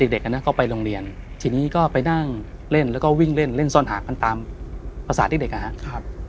เด็กก็ไปโรงเรียนทีนี้ก็ไปนั่งเล่นแล้วก็วิ่งเล่นเล่นซ่อนหากันตามภาษาเด็กนะครับ